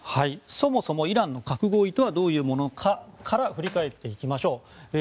そもそも、イランの核合意とはどういうものなのか振り返っていきましょう。